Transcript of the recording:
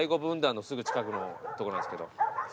分団のすぐ近くのとこなんですけど。